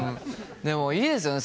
でもいいですよね